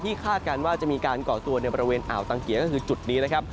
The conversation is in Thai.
คาดการณ์ว่าจะมีการก่อตัวในบริเวณอ่าวตังเกียร์ก็คือจุดนี้นะครับ